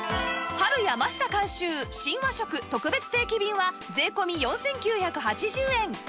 ハルヤマシタ監修「新和食」特別定期便は税込４９８０円